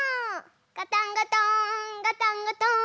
ガタンゴトーンガタンゴトーン。